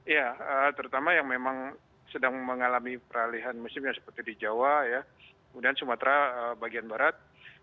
ya terutama yang memang sedang mengalami peralihan musimnya seperti di jawa ya kemudian sumatera bagian barat